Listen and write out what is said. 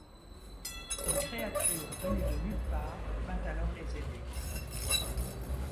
Une créature venue de nulle part vint alors les aider.